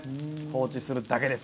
放置するだけです。